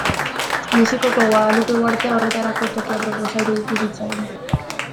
Mexikoko Guadalupe uhartea horretarako toki aproposa iruditu zitzaion.